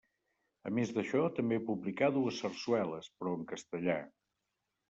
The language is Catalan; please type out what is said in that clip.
A més d'això, també publicà dues sarsueles, però en castellà.